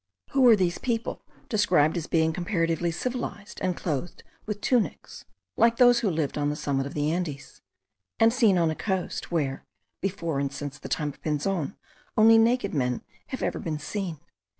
7. Who were these people described as being comparatively civilized, and clothed with tunics (like those who lived an the summit of the Andes), and seen on a coast, where before and since the time of Pinzon, only naked men have ever been seen?)